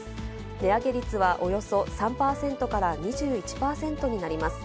値上げ率はおよそ３％から２１％になります。